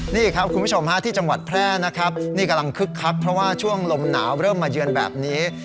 นี่ครับคุณผู้ชมฮะที่จังหวัดแพร่นะครับนี่กำลังคึกคักเพราะว่าช่วงลมหนาวเริ่มมาเยือนแบบนี้